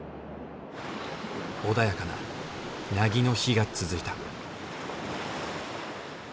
穏やかな凪の日が続いた。